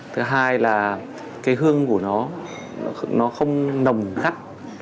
thứ hai là cái hương của nó nó không nồng khắt